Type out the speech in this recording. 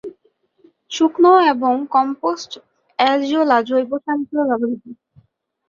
শুকনো এবং compost azolla জৈব সার হিসেবে ব্যবহার্য।